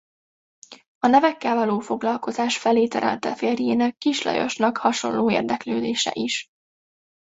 A nevekkel való foglalkozás felé terelte férjének Kiss Lajosnak hasonló érdeklődése is.